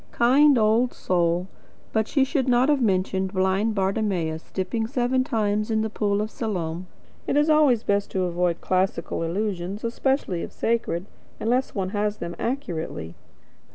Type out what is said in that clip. Kind old soul! But she should not have mentioned blind Bartimaeus dipping seven times in the pool of Siloam. It is always best to avoid classical allusions, especially if sacred, unless one has them accurately.